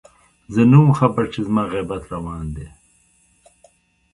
زه نه وم خبر چې زما غيبت روان دی